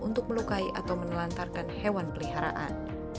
untuk melukai atau menelantarkan hewan peliharaan